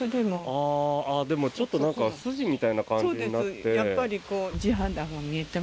でも、ちょっと筋みたいな感じになって。